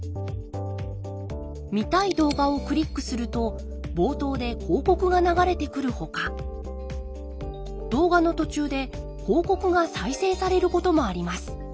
見たい動画をクリックすると冒頭で広告が流れてくるほか動画の途中で広告が再生されることもあります。